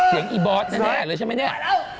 อีบอสแน่เลยใช่ไหมเนี่ย